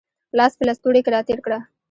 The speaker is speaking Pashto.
لاس په لستوڼي کې را تېر کړه